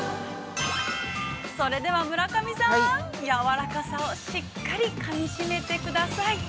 ◆それでは、村上さんやわらかさをしっかり、かみしめてください。